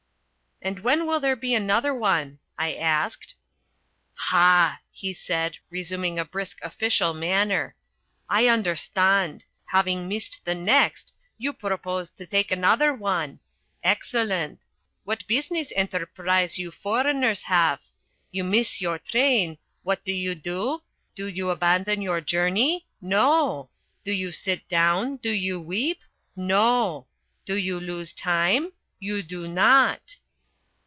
"And when will there be another one?" I asked. "Ha!" he said, resuming a brisk official manner. "I understand. Having missed the next, you propose to take another one. Excellent! What business enterprise you foreigners have! You miss your train! What do you do? Do you abandon your journey? No. Do you sit down do you weep? No. Do you lose time? You do not."